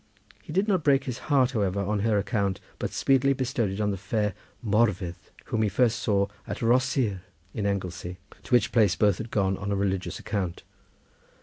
He did not break his heart, however, on her account, but speedily bestowed it on the fair Morfudd, whom he first saw at Rhosyr in Anglesey, to which place both had gone on a religious account.